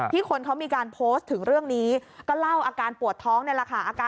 คนเขามีการโพสต์ถึงเรื่องนี้ก็เล่าอาการปวดท้องนี่แหละค่ะ